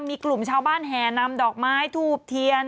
มีกลุ่มชาวบ้านแห่นำดอกไม้ทูบเทียน